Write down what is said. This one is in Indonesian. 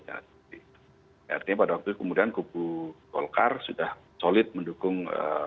artinya pada waktu itu kemudian kubu golkar sudah solid mendukung